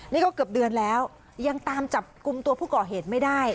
นี่ก็เกือบเดือนแล้วยังตามจับกลุ่มตัวผู้ก่อเหตุไม่ได้